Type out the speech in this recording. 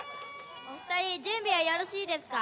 お二人準備はよろしいですか？